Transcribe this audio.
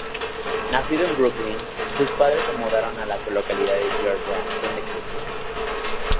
Nacido en Brooklyn, sus padres se mudaron a la localidad de Georgia donde creció.